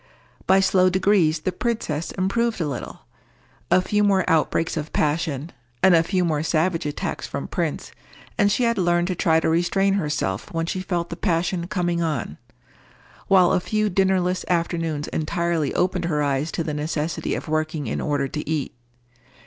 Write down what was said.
By slow degrees the princess improved a little. A few more outbreaks of passion, and a few more savage attacks from Prince, and she had learned to try to restrain herself when she felt the passion coming on; while a few dinnerless afternoons entirely opened her eyes to the necessity of working in order to eat.